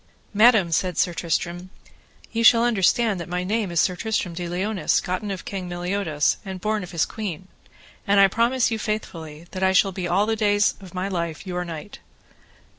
Madam, said Sir Tristram, ye shall understand that my name is Sir Tristram de Liones, gotten of King Meliodas, and born of his queen. And I promise you faithfully that I shall be all the days of my life your knight.